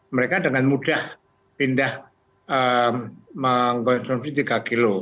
mereka dengan mudah pindah mengkonsumsi tiga kilo